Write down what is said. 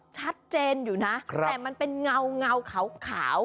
ชัดเจนอยู่นะแต่มันเป็นเงาขาว